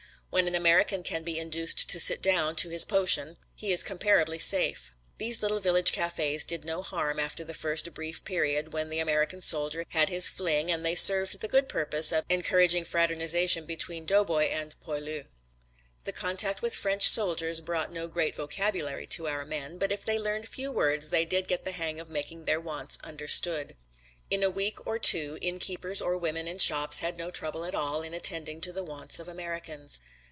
When an American can be induced to sit down to his potion he is comparatively safe. These little village cafés did no harm after the first brief period when the American soldier had his fling and they served the good purpose of encouraging fraternization between doughboy and poilu. The contact with French soldiers brought no great vocabulary to our men but if they learned few words they did get the hang of making their wants understood. In a week or two innkeepers or women in shops had no trouble at all in attending to the wants of Americans.